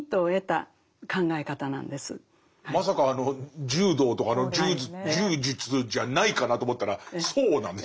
まさかあの柔道とかの柔術じゃないかなと思ったらそうなんですね。